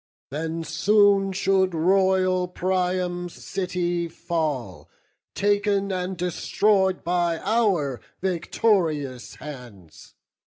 Then soon should royal Priam's city fall, Tak'n and destroy'd by our victorious hands.